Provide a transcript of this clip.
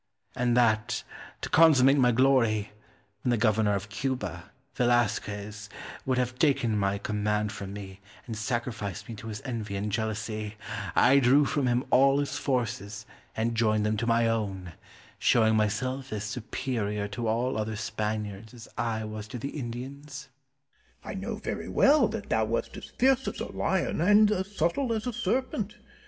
and that, to consummate my glory, when the Governor of Cuba, Velasquez, would have taken my command from me and sacrificed me to his envy and jealousy, I drew from him all his forces and joined them to my own, showing myself as superior to all other Spaniards as I was to the Indians? Penn. I know very well that thou wast as fierce as a lion and as subtle as a serpent.